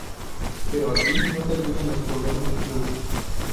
Pero aquí no terminan los problemas del club.